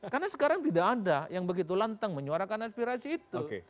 karena sekarang tidak ada yang begitu lantang menyuarakan aspirasi itu